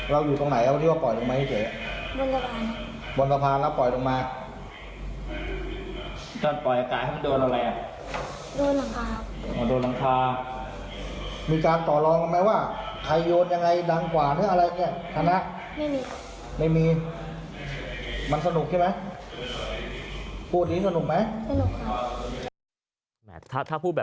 เราอยู่ตรงไหนว่าที่จะปล่อยตรงนี้ไหมเจ๊